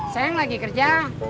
saya yang lagi kerja